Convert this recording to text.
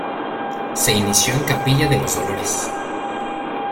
Se inició en Capilla de los Dolores.